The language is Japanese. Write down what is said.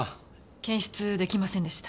検出出来ませんでした。